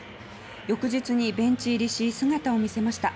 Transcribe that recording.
翌日にベンチ入りし姿を見せました。